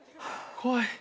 怖い。